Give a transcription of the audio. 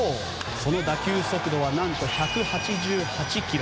その打球速度は何と１８８キロ。